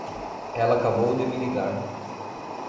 Ela acabou de me ligar.